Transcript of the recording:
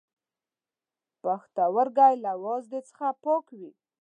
پښتورګی له وازدو څخه پاک کړئ.